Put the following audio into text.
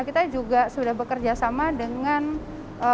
nah kita juga sudah bekerjasama dengan aplikator aplikator kemudian juga dari